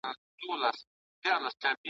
هرشاعر په قصیدو کي وي ستایلی ,